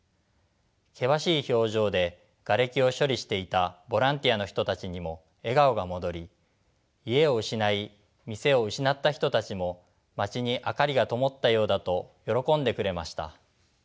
険しい表情でがれきを処理していたボランティアの人たちにも笑顔が戻り家を失い店を失った人たちも街に明かりがともったようだと喜んでくれました。